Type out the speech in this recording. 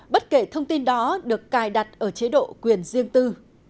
bất kể thông tin đó được cài đặt ở chế độ quyền riêng tư